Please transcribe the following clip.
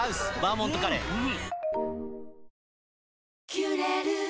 「キュレル」